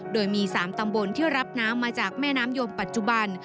โดยมี๓ตำบลที่รับน้ำมาจากแม่น้ำยมปัจจุบัน